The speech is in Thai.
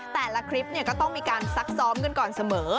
แต่ละคลิปก็ต้องมีการซักซ้อมกันก่อนเสมอ